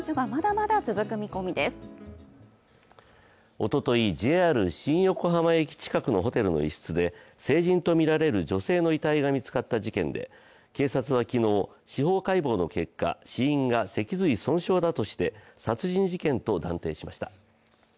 おとといＪＲ新横浜駅近くのホテルの一室で成人とみられる女性の遺体が見つかった事件で警察は昨日、司法解剖の結果死因が脊髄損傷だとして殺人事件と断定しました。